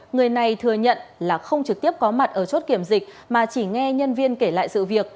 người này thừa nhận là không trực tiếp có mặt ở chốt kiểm dịch mà chỉ nghe nhân viên kể lại sự việc